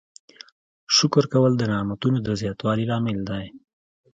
شکر کول د نعمتونو د زیاتوالي لامل دی.